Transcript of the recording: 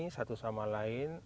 satu sama lain